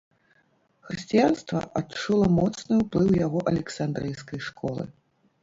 Хрысціянства адчула моцны ўплыў яго александрыйскай школы.